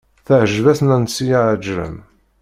Teεǧeb-as Nansi Ԑeǧrem.